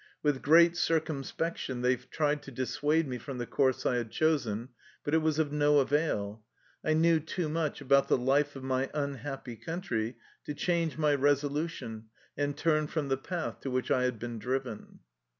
With great circumspection they tried to dissuade me from the course I had chosen, but it was of no avail. I knew too much about the life of my unhappy country to change my resolu tion and turn from the path to which I had been driven.